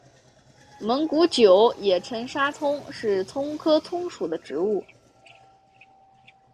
蒙古韭也称沙葱是葱科葱属的植物。